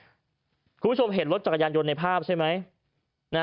คุณผู้ชมเห็นรถจักรยานยนต์ในภาพใช่ไหม